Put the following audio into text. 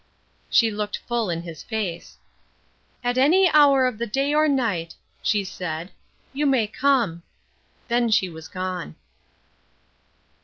She looked full in his face. "At any hour of the day or night," she said, "you may come." Then she was gone.